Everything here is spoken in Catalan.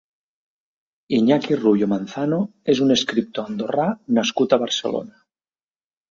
Iñaki Rubio Manzano és un escriptor andorrà nascut a Barcelona.